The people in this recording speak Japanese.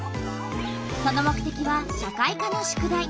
その目てきは社会科の宿題。